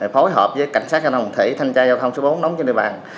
phối hợp với cảnh sát giao thông đồng thủy thanh tra giao thông số bốn đóng trên địa bàn